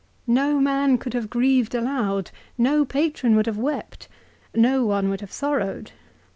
" No man could have grieved aloud. No patron would have wept. No one would have sorrowed.